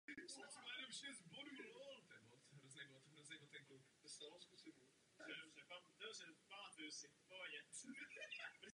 Gramotnost není odrazem stupně vzdělání.